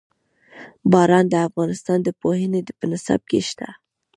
باران د افغانستان د پوهنې په نصاب کې شته.